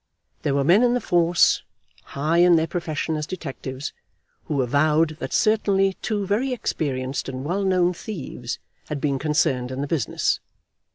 There were men in the force, high in their profession as detectives, who avowed that certainly two very experienced and well known thieves had been concerned in the business.